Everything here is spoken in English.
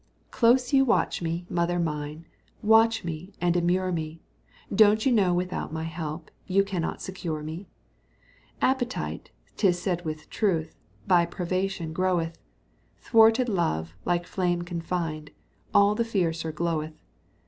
Close you watch me, mother mine, Watch me, and immure me: Don't you know without my help You can not secure me? Appetite, 'tis said with truth, By privation groweth; Thwarted love, like flame confined, All the fiercer gloweth.